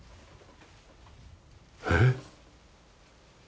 えっ。